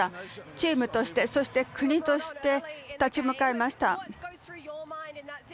チームとして、そして国として立ち向かいました。